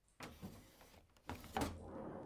Es una sopa típica del municipio de Almanzora.